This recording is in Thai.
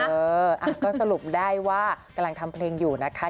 เออก็สรุปได้ว่ากำลังทำเพลงอยู่นะคะ